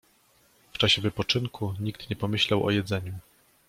W czasie wypoczynku nikt nie pomyślał o jedzeniu.